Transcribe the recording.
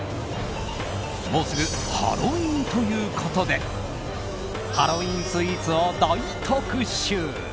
もうすぐハロウィーンということでハロウィーンスイーツを大特集。